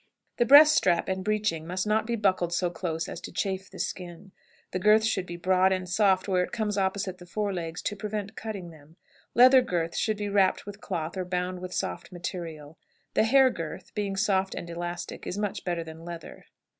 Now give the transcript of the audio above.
The breast strap and breeching must not be buckled so close as to chafe the skin; the girth should be broad and soft where it comes opposite the fore legs, to prevent cutting them. Leather girths should be wrapped with cloth or bound with soft material. The hair girth, being soft and elastic, is much better than leather.